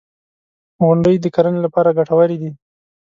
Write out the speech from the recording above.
• غونډۍ د کرنې لپاره ګټورې دي.